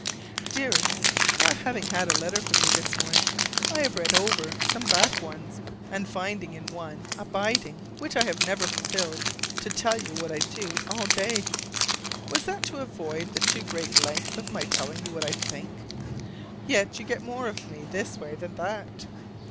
Dearest: Not having had a letter from you this morning, I have read over some back ones, and find in one a bidding which I have never fulfilled, to tell you what I do all day. Was that to avoid the too great length of my telling you what I think? Yet you get more of me this way than that.